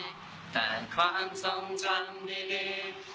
ไม่เคยจางหายตากที่เหนาแก่งฟ้าเธอยังคง